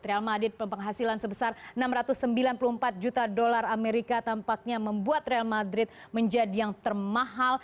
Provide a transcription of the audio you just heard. real madrid penghasilan sebesar enam ratus sembilan puluh empat juta dolar amerika tampaknya membuat real madrid menjadi yang termahal